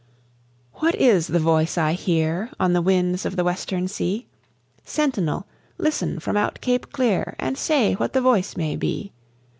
What is the voice I hear On the winds of the western sea? Sentinel, listen from out Cape Clear And say what the voice may be.